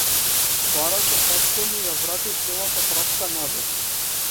Бараше татко ми ја врати целата пратка назад.